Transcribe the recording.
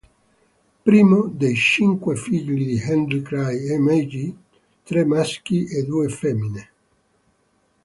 Primo dei cinque figli di Henry Cray e Maggie, tre maschi e due femmine.